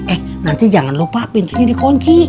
eh nanti jangan lupa pintunya dikunci